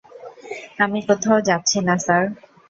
আমি কোথাও যাচ্ছি না, স্যার।